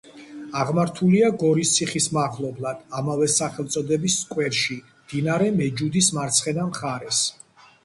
აღმართულია გორის ციხის მახლობლად, ამავე სახელწოდების სკვერში, მდინარე მეჯუდის მარცხენა მხარეს.